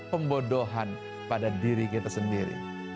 pembodohan pada diri kita sendiri